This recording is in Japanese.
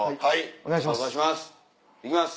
お願いします。